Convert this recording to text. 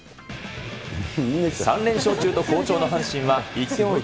３連勝中と好調の阪神は１点を追う